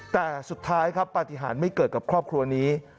แต่สุดท้ายครับปฏิหารไม่เกิดกับครอบครัวนี้